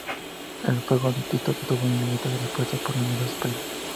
El ruego de Tito tuvo inmediatas respuestas por numerosos países.